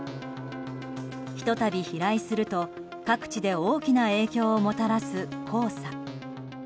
ひと度飛来すると各地で大きな影響をもたらす黄砂。